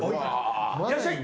いらっしゃい。